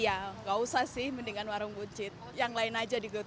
iya enggak usah sih mendingan warung buncit yang lain aja di gotegar